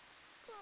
あ。